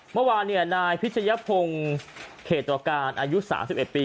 เมื่อวานนายพิชยพงศ์เขตตรการอายุ๓๑ปี